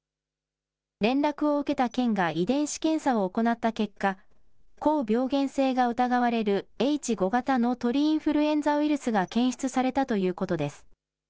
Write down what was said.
連絡を受けた県が遺伝子検査を行った結果、高病原性が疑われるＨ５型の鳥インフルエンザウイルスが検出されたということです。